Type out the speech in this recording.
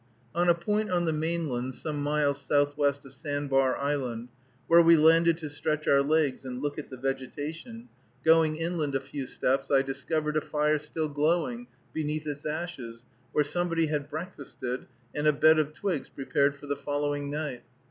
On a point on the mainland some miles southwest of Sand bar Island, where we landed to stretch our legs and look at the vegetation, going inland a few steps, I discovered a fire still glowing beneath its ashes, where somebody had breakfasted, and a bed of twigs prepared for the following night.